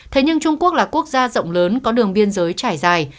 thế nhưng trung quốc là quốc gia rộng lớn có đường biên giới trải dài